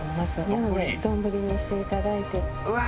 なので丼にしていただいて。